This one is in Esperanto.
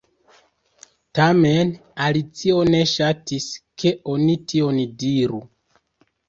Tamen Alicio ne ŝatis ke oni tion diru.